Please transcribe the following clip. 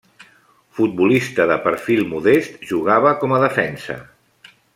Futbolista de perfil modest, jugava com a defensa.